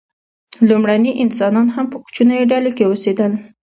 لومړني انسانان هم په کوچنیو ډلو کې اوسېدل.